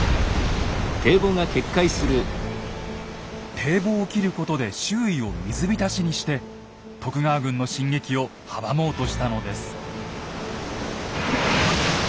堤防を切ることで周囲を水浸しにして徳川軍の進撃を阻もうとしたのです。